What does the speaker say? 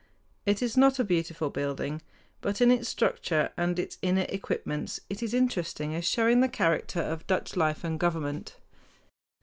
It is not a beautiful building; but in its structure and its inner equipments it is interesting as showing the character of Dutch life and government.